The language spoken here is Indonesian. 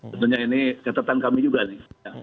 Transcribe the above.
tentunya ini catatan kami juga nih